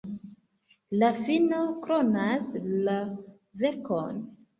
La fino kronas la verkon.